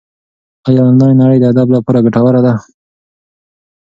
ایا انلاین نړۍ د ادب لپاره ګټوره ده؟